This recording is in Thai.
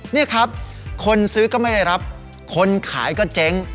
นี่ครับคนซื้อก็ไม่ได้รับคนขายก็เจ๊ง